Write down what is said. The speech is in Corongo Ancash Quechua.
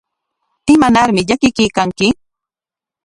¿Imanarmi llakikuykanki?